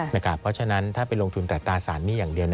เพราะฉะนั้นถ้าไปลงทุนอัตราสารหนี้อย่างเดียว